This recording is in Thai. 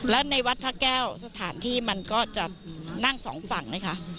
แล้วในวัดพระแก้วสถานที่มันก็จะนั่งสองฝั่งไหมคะ